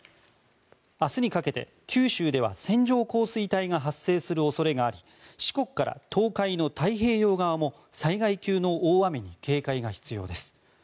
明日にかけて九州では線状降水帯が発生する恐れがあり四国から東海の太平洋側も災害級の大雨に警戒が必要です。